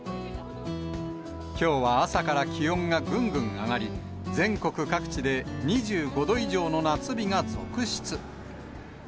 きょうは朝から気温がぐんぐん上がり、全国各地で２５度以上の夏日が続出。